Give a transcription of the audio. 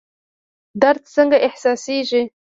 درد څنګه احساسیږي؟